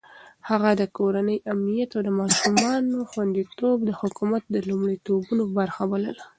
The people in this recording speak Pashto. هغه د کورنۍ امنيت او د ماشومانو خونديتوب د حکومت د لومړيتوبونو برخه بلله.